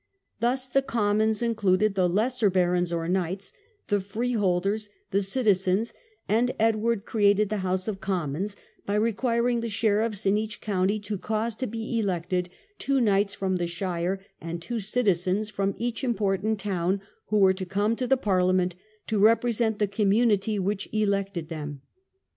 Thus the * Com mons ' included the lesser barons or knights, the free holders, the citizens; and Edward created the House of Commons by requiring the sheriffs in each county to cause to be elected two knights from the shire and two citizens from each important town, who were to come to the Parliament to represent the community which elected them.